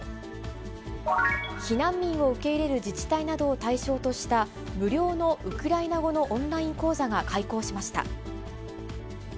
避難民を受け入れる自治体などを対象とした、無料のウクライナ語のオンライン講座が開講しました。